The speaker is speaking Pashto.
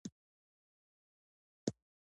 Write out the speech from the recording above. ایا زه باید د سینه بغل واکسین وکړم؟